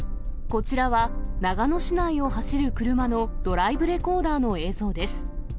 こちらは、長野市内を走る車のドライブレコーダーの映像です。